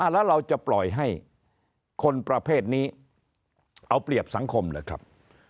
แล้วเราจะปล่อยให้คนประเภทนี้เอาเปรียบสังคมหรือครับ